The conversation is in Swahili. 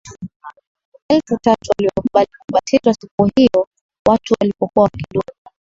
Elfu tatu waliokubali kubatizwa siku hiyo Watu walipokuwa wakidumu